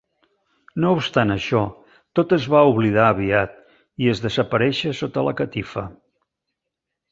No obstant això, tot es va oblidar aviat i es desaparèixer sota la catifa.